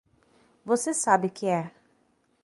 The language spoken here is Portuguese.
Você sabe que é!